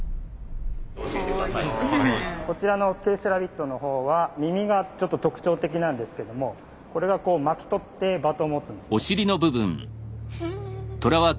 こちらのＫセラビットのほうは耳がちょっと特徴的なんですけどもこれがこう巻き取ってバトンを持つんですね。